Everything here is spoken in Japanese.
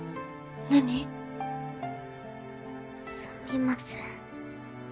すみません。